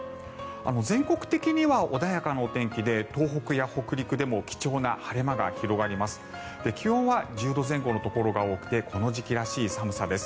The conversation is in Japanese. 全国的には穏やかなお天気で東北や北陸でも貴重な晴れ間が広がります。